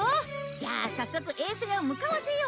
じゃあ早速衛星を向かわせよう。